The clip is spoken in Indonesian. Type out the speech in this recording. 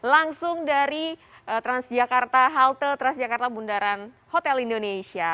langsung dari transjakarta halte transjakarta bundaran hotel indonesia